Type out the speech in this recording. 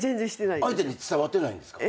相手に伝わってないんですか？